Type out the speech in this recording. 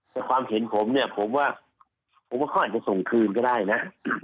แต่ความเห็นผมเนี่ยผมว่าผมว่าเขาอาจจะส่งคืนก็ได้นะ